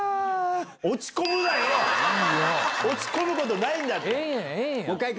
落ち込むことないんだって！